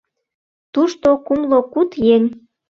Тушто кумло куд еҥ.